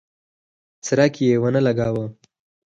څرک یې ونه لګاوه.